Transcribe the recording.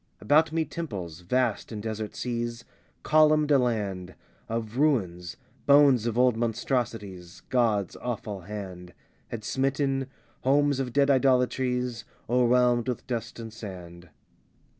About me temples, vast in desert seas, Columned a land Of ruins bones of old monstrosities God's awful hand Had smitten; homes of dead idolatries, O'erwhelmed with dust and sand.